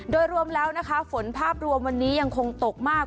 โดยรวมแล้วนะคะฝนภาพรวมวันนี้ยังคงตกมาก